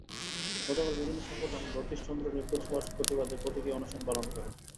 গতকাল বিভিন্ন সংগঠন রথীশ চন্দ্র নিখোঁজ হওয়ার প্রতিবাদে প্রতীকী অনশন পালন করে।